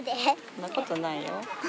そんなことないよ。